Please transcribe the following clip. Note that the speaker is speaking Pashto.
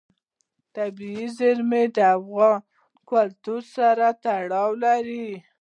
طبیعي زیرمې د افغان کلتور سره تړاو لري.